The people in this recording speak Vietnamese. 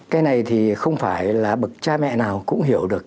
cái này thì không phải là bậc cha mẹ nào cũng hiểu được